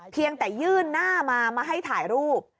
เพียงแต่ยื่นหน้ามามาให้ถ่ายรูป